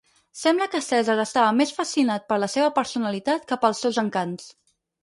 Sembla que Cèsar estava més fascinat per la seva personalitat que pels seus encants.